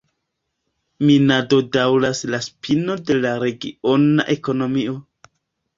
Minado daŭras la spino de la regiona ekonomio.